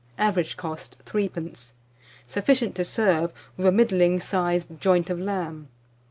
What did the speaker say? Average cost, 3d. Sufficient to serve with a middling sized joint of lamb.